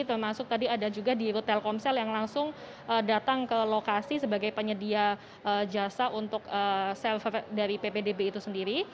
termasuk tadi ada juga di telkomsel yang langsung datang ke lokasi sebagai penyedia jasa untuk server dari ppdb itu sendiri